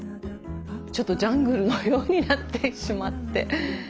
ちょっとジャングルのようになってしまって。